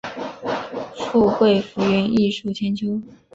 富贵浮云，艺术千秋